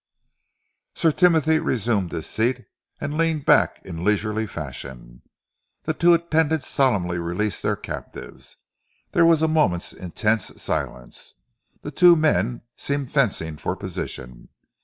Sir Timothy resumed his seat and leaned back in leisurely fashion. The two attendants solemnly released their captives. There was a moment's intense silence. The two men seemed fencing for position.